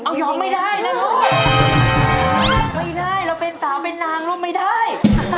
เอายอมไม่ได้นะลูกไม่ได้เราเป็นสาวเป็นนางก็ไม่ได้